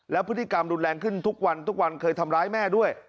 แล้วพฤติกรรมรุนแรงขึ้นทุกวันทุกวันเคยทำร้ายแม่ด้วย